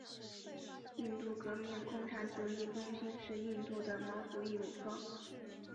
印度革命共产主义中心是印度的毛主义武装。